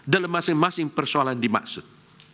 dalam masing masing persoalan dimaksud